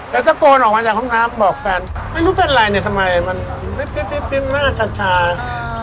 แต่จะโกนออกมาจากห้องหน้าบอกแฟนไม่รู้เป็นอะไรเนี่ย